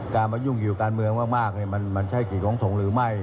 การมายุ่งอยู่กับการเมืองมากมันใช้กฎของทรงหรือไม่